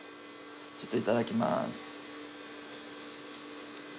ちょっといただきます。